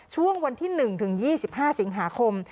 ช่วงวันที่๑ถึง๒๕สิงหาคม